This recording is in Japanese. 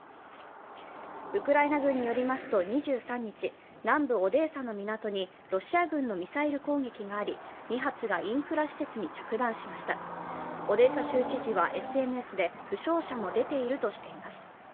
ウクライナ軍によりますと、２３日、南部オデーサの港にロシア軍のミサイル攻撃があり、２発がインフラ施設に着弾しましたオデーサ州知事は、ＳＮＳで負傷者も出ているとしています。